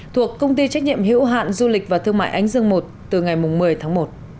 thuộc công ty trách nhiệm hữu hạn du lịch và thương mại ánh dương i từ ngày một mươi tháng một